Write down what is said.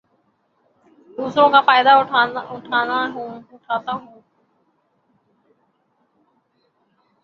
دوسروں کا فائدہ اٹھاتا ہوں